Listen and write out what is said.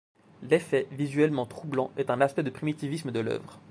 L'effet, visuellement troublant, est un aspect du primitivisme de l'œuvre.